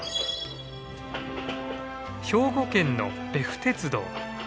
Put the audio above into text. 兵庫県の別府鉄道。